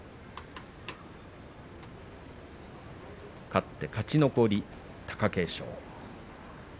勝って勝ち残り、貴景勝。